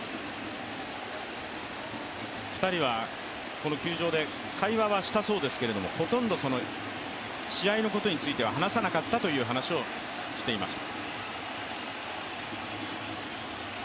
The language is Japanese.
２人はこの球場で会話はしたそうですけれども、ほとんど試合のことについては話さなかったという話をしていました。